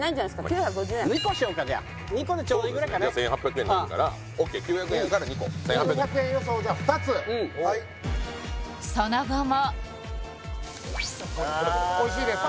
９５０円２個しようかじゃあ２個でちょうどいいぐらいかなじゃあ１８００円なるからＯＫ９００円やから２個１８００円９００円予想じゃあ２つその後もああおいしいですか？